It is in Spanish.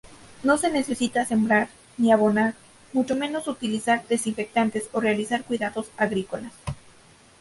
No se necesita sembrar, ni abonar, mucho menos utilizar desinfectantes o realizar cuidados agrícolas.